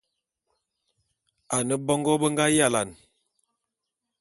Ane mongô be nga yalane.